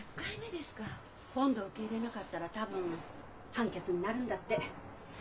今度受け入れなかったら多分判決になるんだって。